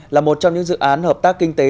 là một trong những dự án hợp tác kinh tế